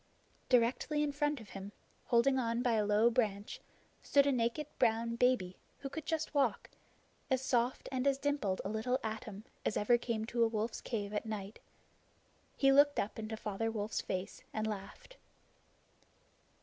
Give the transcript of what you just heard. Directly in front of him, holding on by a low branch, stood a naked brown baby who could just walk as soft and as dimpled a little atom as ever came to a wolf's cave at night. He looked up into Father Wolf's face, and laughed.